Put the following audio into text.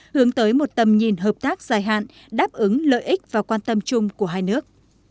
hướng tới một tầm nhìn hợp tác dài hạn đáp ứng lợi ích và quan tâm chung của hai nước